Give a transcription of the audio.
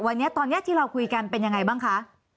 วันนี้ตอนนี้ที่เราคุยกันเป็นยังไงบ้างคะ